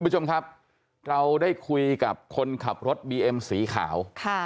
คุณผู้ชมครับเราได้คุยกับคนขับรถบีเอ็มสีขาว